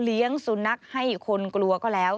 เลี้ยงสุนัขให้คนกลัวก็แล้ว